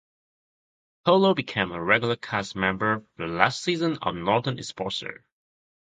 Polo became a regular cast member on the last season of "Northern Exposure".